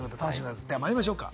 では参りましょうか。